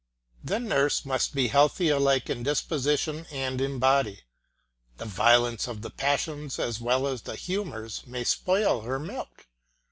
The nurse must be healthy alike in disposition and in body. The violence of the passions as well as the humours may spoil her milk.